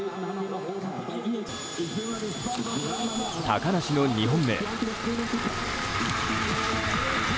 高梨の２本目。